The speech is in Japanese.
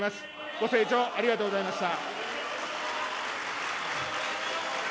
ご清聴ありがとうございました。